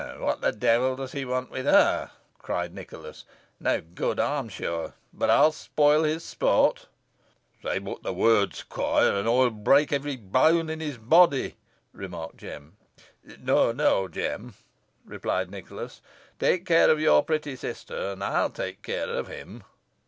"What the devil does he want with her?" cried Nicholas. "No good, I'm sure. But I'll spoil his sport." "Say boh t' word, squoire, an ey'n break every boan i' his body," remarked Jem. "No, no, Jem," replied Nicholas. "Take care of your pretty sister, and I'll take care of him."